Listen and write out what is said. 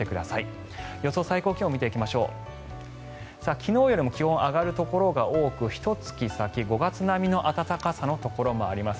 昨日よりも気温が上がるところが多く５月並みの暖かさになるところもあります。